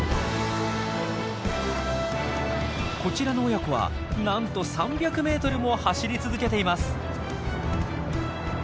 こちらの親子はなんと３００ｍも走り続けています。